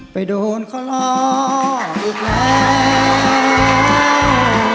ไปโดนข้อลองอีกแล้ว